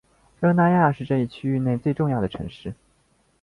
热那亚是这一区域内最重要的城市。